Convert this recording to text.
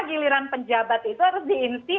giliran penjabat itu harus diinti